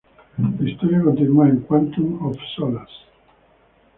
La historia continúa en "Quantum of Solace".